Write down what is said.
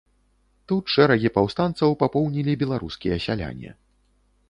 Тут шэрагі паўстанцаў папоўнілі беларускія сяляне.